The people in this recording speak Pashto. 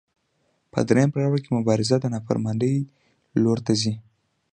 په درېیم پړاو کې مبارزه د نافرمانۍ لور ته ځي.